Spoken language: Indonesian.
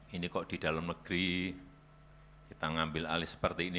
ini kok di dalam negeri kita ngambil alih seperti ini